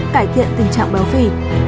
cải thiện tình trạng béo phì